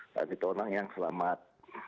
tani tonang yang selamat